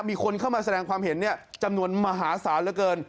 มีคนเข้ามาแสดงความเห็นจำนวนมหาศาลเหลือเกิน